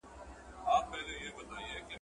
اسلامي لاره تر ټولو سمه لاره ده.